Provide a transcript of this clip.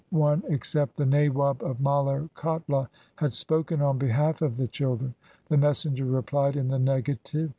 200 THE SIKH RELIGION except the Nawab of Maler Kotla had spoken on behalf of the children. The messenger replied in the negative.